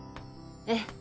ええ。